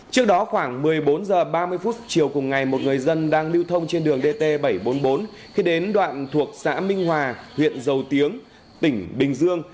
trước đó khoảng một mươi bốn h ba mươi chiều cùng ngày một người dân đang lưu thông trên đường dt bảy trăm bốn mươi bốn khi đến đoạn thuộc xã minh hòa huyện dầu tiếng tỉnh bình dương